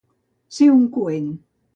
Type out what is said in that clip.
Ser un coent.